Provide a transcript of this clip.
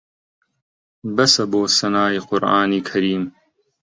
بەسە بۆ سەنای قورئانی کەریم